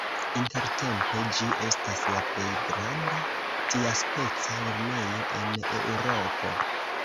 Intertempe ĝi estas la plej granda tiaspeca lernejo en Eŭropo.